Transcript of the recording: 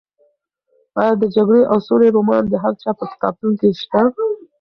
ایا د جګړې او سولې رومان د هر چا په کتابتون کې شته؟